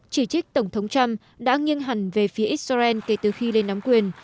chỉ trích tổng thống trump đã nghiêng hẳn về phía israel kể từ khi lên nắm quyền